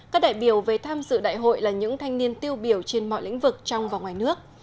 các đại biểu về tham dự đại hội là những thanh niên tiêu biểu trên mọi lĩnh vực trong và ngoài nước